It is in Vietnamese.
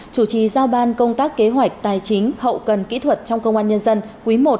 chủ trì giao ban công tác kế hoạch tài chính hậu cần kỹ thuật trong công an nhân dân quý i